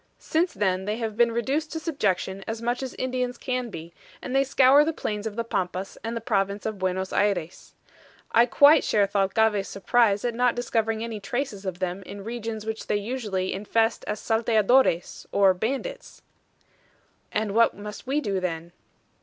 Since then they have been reduced to subjection as much as Indians can be, and they scour the plains of the Pampas and the province of Buenos Ayres. I quite share Thalcave's surprise at not discovering any traces of them in regions which they usually infest as SALTEADORES, or bandits." "And what must we do then?"